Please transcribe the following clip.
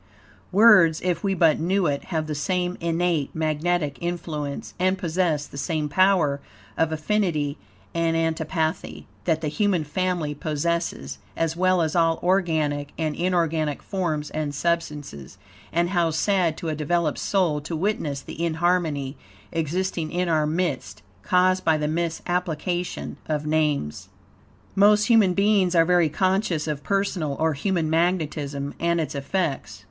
Words, if we but knew it, have the same innate, magnetic influence, and possess the same power of affinity and antipathy, that the human family possesses; as well as all organic and inorganic forms and substances; and how sad, to a developed soul, to witness the inharmony existing in our midst, caused by the misapplication of names. Most human beings are very conscious of personal, or human magnetism, and its effects.